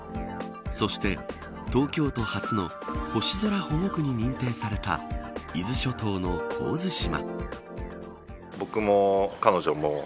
そして、東京都初の星空保護区に認定された伊豆諸島の神津島。